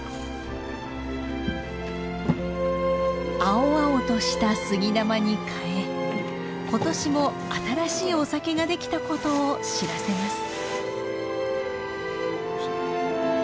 青々とした杉玉に替え今年も新しいお酒が出来たことを知らせます。